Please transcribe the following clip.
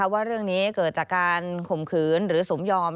ว่าเรื่องนี้เกิดจากการข่มขืนหรือสมยอม